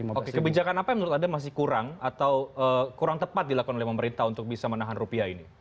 oke kebijakan apa yang menurut anda masih kurang atau kurang tepat dilakukan oleh pemerintah untuk bisa menahan rupiah ini